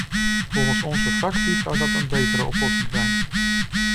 Volgens onze fractie zou dat een betere oplossing zijn.